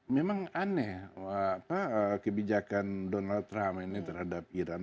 memang aneh kebijakan donald trump ini terhadap iran